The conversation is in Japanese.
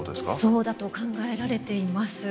そうだと考えられています。